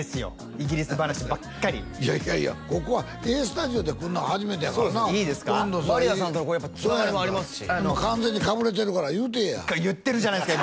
イギリス話ばっかりいやいやいやここは「ＡＳＴＵＤＩＯ＋」でこんなの初めてやからなどんどんマリアさんとのつながりもありますし完全にかぶれてるから言うてえや言ってるじゃないですか